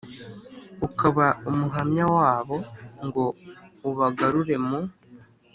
ukaba umuhamya wabo ngo ubagarure mu